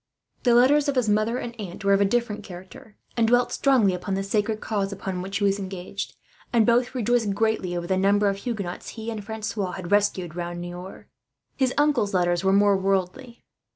The letters of his mother and aunt were of a different character, and dwelt strongly upon the sacred cause upon which he was engaged; and both rejoiced greatly over the number of Huguenots he and Francois had rescued, round Niort. His uncle's letters were more worldly.